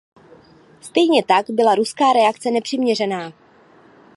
Stejně tak byla ruská reakce nepřiměřená.